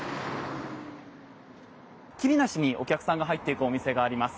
ひっきりなしにお客さんが入っていくお店があります。